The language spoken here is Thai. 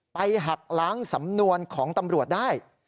หักล้างสำนวนของตำรวจได้